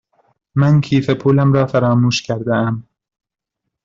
من کیف پولم را فراموش کرده ام.